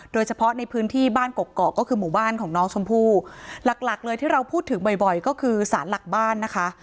โดยเฉพาะในพื้นที่บ้านกกอกก็คือหมู่บ้านของน้องชมพู่หลักหลักเลยที่เราพูดถึงบ่อยบ่อยก็คือสารหลักบ้านนะคะ